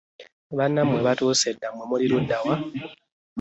Banamwe batuse dda mwe muli ludawa.